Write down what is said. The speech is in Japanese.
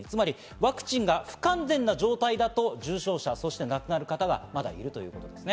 ワクチンが不完全な状態だと重症者、亡くなる方がまだいるということですね。